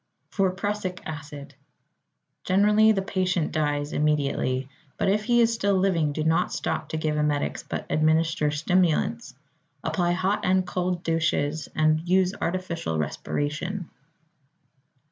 =For Prussic Acid.= Generally the patient dies immediately, but if he is still living, do not stop to give emetics, but administer stimulants. Apply hot and cold douches and use artificial respiration.